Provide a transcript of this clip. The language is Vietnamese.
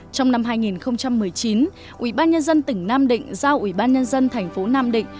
trong năm hai nghìn một mươi chín ủy ban nhân dân tỉnh nam định giao ủy ban nhân dân thành phố nam định